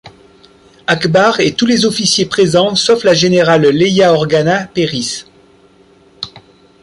Ackbar et tous les officiers présents sauf la générale Leia Organa périssent.